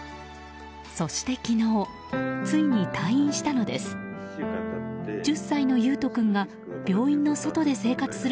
そして昨日ついに退院したのです。